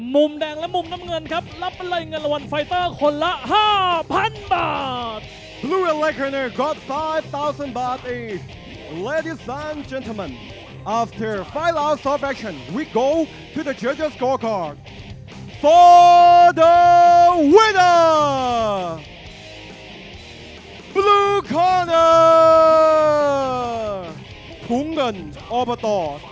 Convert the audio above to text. มุมแดงและมุมน้ำเงินครับรับไปเลยเงินรางวัลไฟเตอร์คนละ๕๐๐๐บาท